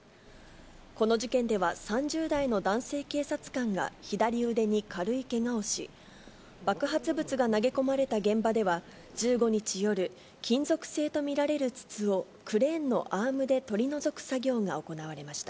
この事件では、３０代の男性警察官が左腕に軽いけがをし、爆発物が投げ込まれた現場では、１５日夜、金属製と見られる筒をクレーンのアームで取り除く作業が行われました。